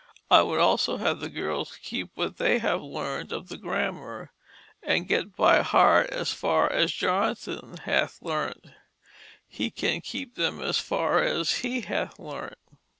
I would also have the girls keep what they have learnt of the Grammar, and get by heart as far as Jonathan hath learnt; he can keep them as far as he had learnt.